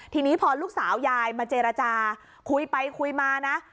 ทีนี้พอลูกสาวยายมาเจรจาคุยไปคุยมานะ